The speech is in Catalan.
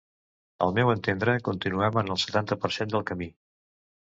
Al meu entendre, continuem en el setanta per cent del camí.